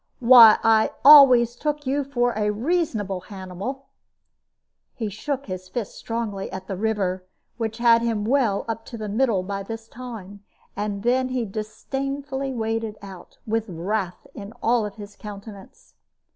Why, I always took you for a reasonable hanimal." He shook his fist strongly at the river, which had him well up to the middle by this time; and then he disdainfully waded out, with wrath in all his countenance.